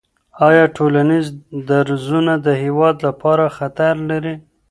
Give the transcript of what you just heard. آیا ټولنیز درزونه د هېواد لپاره خطر لري؟